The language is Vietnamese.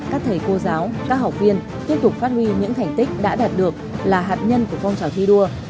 các thầy cô giáo các học viên tiếp tục phát huy những thành tích đã đạt được là hạt nhân của phong trào thi đua